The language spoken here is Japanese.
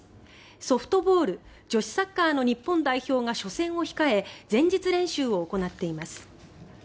ソフトボール、女子サッカーの日本代表が初戦を控え前日練習を行っています。